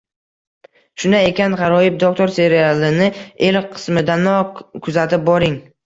Shunday ekan «G’aroyib doktor» serialini ilk qismidanok kuzatib boring.